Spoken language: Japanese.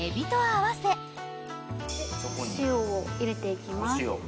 塩を入れて行きます。